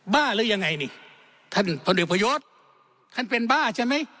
บ้าหรือยังไงนี่ท่านพอโพยวทท่านเป็นบ้าใช่ไหม